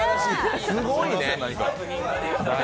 すごいね。